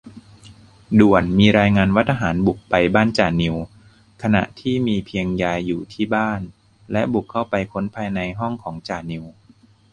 ด่วน ! มีรายงานว่า ทหารบุกไปบ้านจ่านิว ขณะที่มีเพียงยายอยู่ที่บ้าน และบุกเข้าไปค้นภายในห้องของจ่านิว